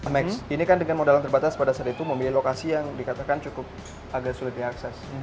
max ini kan dengan modal yang terbatas pada saat itu memilih lokasi yang dikatakan cukup agak sulit diakses